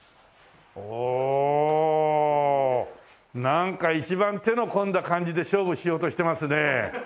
なんか一番手の込んだ感じで勝負しようとしてますね。